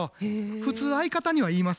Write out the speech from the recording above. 普通相方には言いますからね。